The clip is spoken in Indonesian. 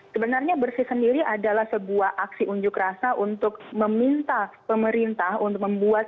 sebenarnya bersih sendiri adalah sebuah aksi unjuk rasa untuk meminta pemerintah untuk membuat